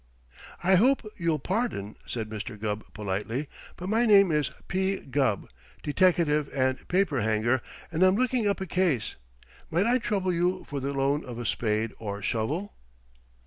"I hope you'll pardon," said Mr. Gubb politely, "but my name is P. Gubb, deteckative and paper hanger, and I'm looking up a case. Might I trouble you for the loan of a spade or shovel?"